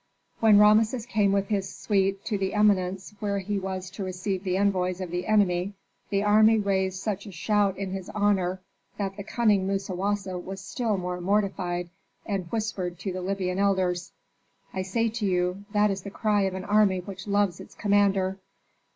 When Rameses came with his suite to the eminence where he was to receive the envoys of the enemy, the army raised such a shout in his honor that the cunning Musawasa was still more mortified, and whispered to the Libyan elders, "I say to you, that is the cry of an army which loves its commander."